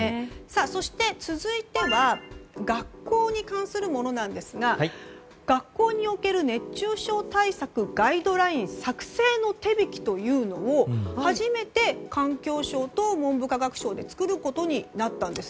続いては学校に関するものなんですが学校における熱中症対策ガイドライン作成の手引きというのを初めて環境省と文部科学省で作ることになったんです。